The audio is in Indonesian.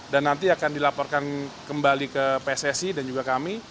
dan nanti akan dilaporkan kembali ke pssi dan juga kami